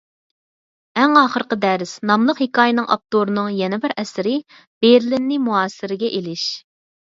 «ئەڭ ئاخىرقى دەرس» ناملىق ھېكايىنىڭ ئاپتورىنىڭ يەنە بىر ئەسىرى — «بېرلىننى مۇھاسىرىگە ئېلىش».